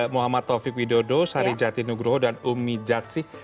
muhammad taufik widodo sari jati nugroho dan umi jadsi